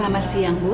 selamat siang bu